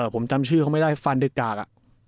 ผมจำชื่อเขาไม่ได้ฟันเด็กกาก